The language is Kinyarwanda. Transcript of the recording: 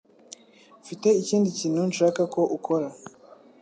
Mfite ikindi kintu nshaka ko ukora